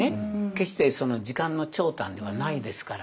決して時間の長短ではないですから。